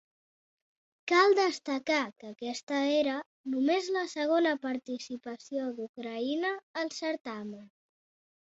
Cal destacar que aquesta era només la segona participació d'Ucraïna al certamen.